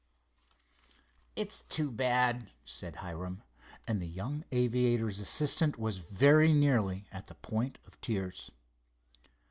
"It's too bad," said Hiram, and the young aviator's assistant was very nearly at the point of tears.